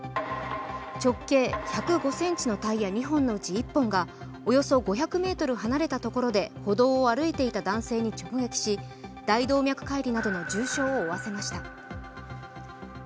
直径１０５ｃｍのタイヤ２本のうち１本がおよそ５００ｍ離れたところで歩道を歩いていた男性に直撃し大動脈解離などの重傷を負わせました。